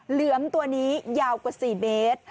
เหลือมตัวนี้ยาวกว่า๔เมตร